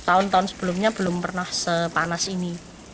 tahun tahun sebelumnya belum pernah sepanas ini